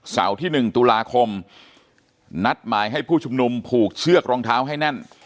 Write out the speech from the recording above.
ที่๑ตุลาคมนัดหมายให้ผู้ชุมนุมผูกเชือกรองเท้าให้แน่น